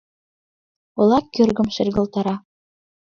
Ола кӧргым шергылтара